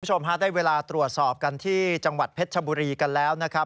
คุณผู้ชมฮะได้เวลาตรวจสอบกันที่จังหวัดเพชรชบุรีกันแล้วนะครับ